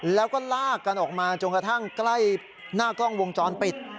แล้วก็ลากกันออกมาจนกระทั่งใกล้หน้ากล้องวงจรปิด